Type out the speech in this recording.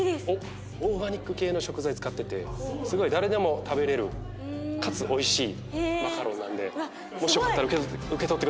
オーガニック系の食材を使っててすごい誰でも食べられるかつ美味しいマカロンなんでもしよかったら受け取ってください。